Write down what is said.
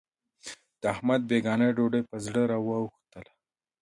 د احمد بېګانۍ ډوډۍ په زړه را وا وښتله.